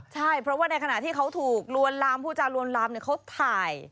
ใช่เพราะว่าในขณะที่เขาถูกลวนลามผู้จารวนลามเขาถ่าย